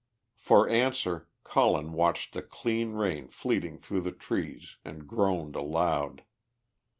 For answer Colin watched the clean rain fleeting through the trees, and groaned aloud.